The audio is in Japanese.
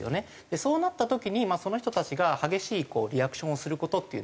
そうなった時にその人たちが激しいリアクションをする事っていうのを。